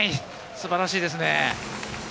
素晴らしいですね。